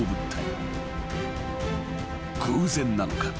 ［偶然なのか？